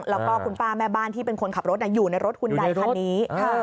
แล้วก็คุณป้าแม่บ้านที่เป็นคนขับรถอยู่ในรถหุ่นใหญ่คันนี้